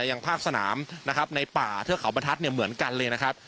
ยังภาคสนามนะครับในป่าเทือกเขาบรรทัศน์เนี่ยเหมือนกันเลยนะครับ